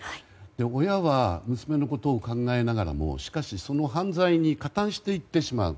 親は娘のことを考えながらもしかし、その犯罪に加担していってしまう。